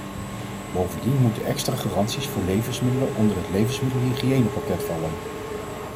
Bovendien moeten extra garanties voor levensmiddelen onder het levensmiddelenhygiënepakket vallen.